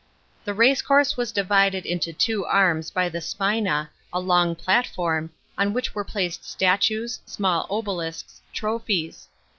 The racecourse was divided into two arms by the spina, a long platform, on which were placed statues, small obelisks, trophies.